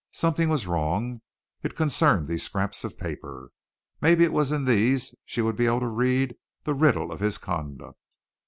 Something was wrong. It concerned these scraps of paper. Maybe it was in these she would be able to read the riddle of his conduct.